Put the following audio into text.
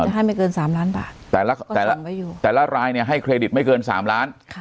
ให้ไม่เกิน๓ล้านบาทแต่ละรายเนี่ยให้เครดิตไม่เกิน๓ล้าน